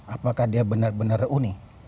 apakah dia benar benar unik